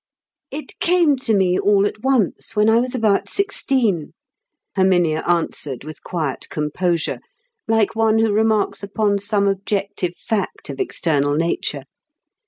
"It came to me all at once when I was about sixteen," Herminia answered with quiet composure, like one who remarks upon some objective fact of external nature.